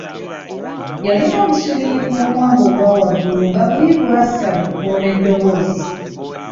Yalina obuswiriri ku mumwa gwe ogwawaggulu nga buli lw’assa bukola eddoboozi.